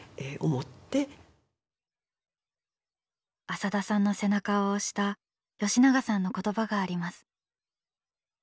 浅田さんの背中を押した吉永さんの言葉があります。